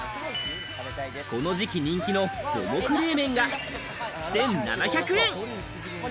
この時期人気の五目冷麺が１７００円。